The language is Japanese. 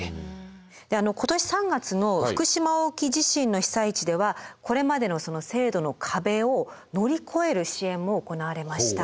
今年３月の福島沖地震の被災地ではこれまでの制度の壁を乗り越える支援も行われました。